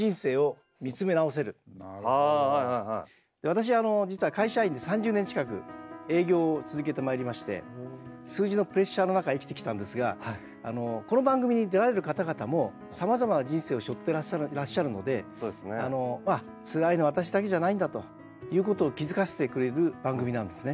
私実は会社員で３０年近く営業を続けてまいりまして数字のプレッシャーの中生きてきたんですがこの番組に出られる方々もさまざまな人生をしょってらっしゃるのでつらいのは私だけじゃないんだということを気付かせてくれる番組なんですね。